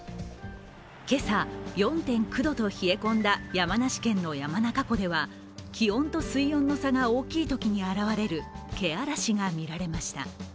今朝４．９度と冷え込んだ山梨県の山中湖では、気温と水温の差が大きいときに現れる気嵐が見られました。